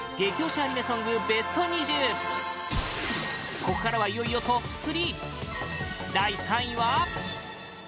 ここからはいよいよトップ３！